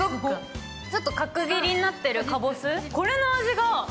ちょっと角切りになってるかぼす。